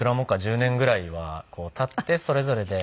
１０年ぐらいは経ってそれぞれで。